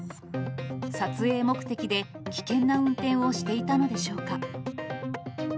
撮影目的で危険な運転をしていたのでしょうか。